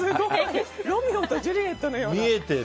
ロミオとジュリエットのような。